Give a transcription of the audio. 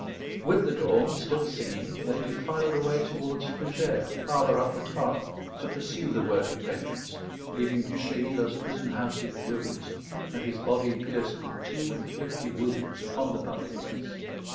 With the dawn, still singing, they defiled away towards Frugères, farther up the Tarn, to pursue the work of vengeance, leaving Du Chayla's prison house in ruins, and his body pierced with two and fifty wounds upon the public place.